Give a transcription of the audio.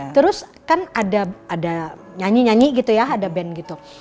terus kan ada nyanyi nyanyi gitu ya ada band gitu